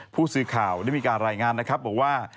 ผู้สื่อข่าวได้มีการรายงานนะครับบอกว่า